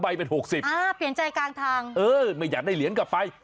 เป็นหกสิบอ่าเปลี่ยนใจกลางทางเออไม่อยากได้เหรียญกลับไป